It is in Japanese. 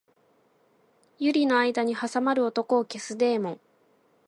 百合の間に挟まる男を消すデーモン